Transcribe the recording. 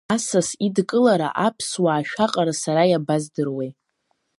Асас идкылара аԥсуаа шәаҟара сара иабаздыруеи?